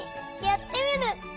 やってみる！